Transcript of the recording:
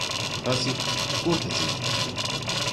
تاسې کور ته ځئ.